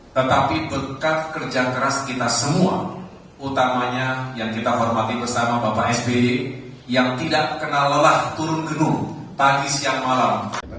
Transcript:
tetapi berkat kerja keras kita semua utamanya yang kita hormati bersama bapak sby yang tidak kenal lelah turun gedung tadi siang malam